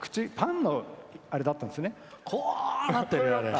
パンのあれだったんですね。